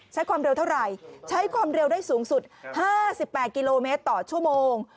ใช้ความเร็วเท่าไหร่ใช้ความเร็วได้สูงสุด๕๘กิโลเมตรต่อชั่วโมง